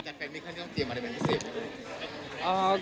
จัดเพลงไม่ค่อยต้องเตรียมอะไรแบบนี้สิ